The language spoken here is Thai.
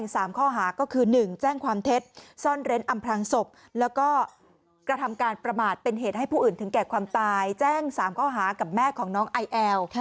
สามข้อหากับแม่ของน้องไอแอว